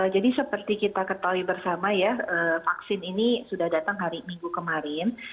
jadi seperti kita ketahui bersama ya vaksin ini sudah datang hari minggu kemarin